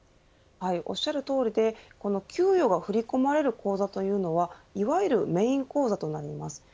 おっしゃるとおりで給与が振り込まれる口座というのはいわゆるメーン口座となります。